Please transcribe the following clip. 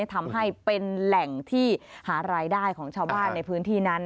ทำให้เป็นแหล่งที่หารายได้ของชาวบ้านในพื้นที่นั้น